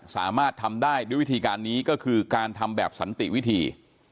สามารถทำได้ด้วยวิธีการนี้ก็คือการทำแบบสันติวิธี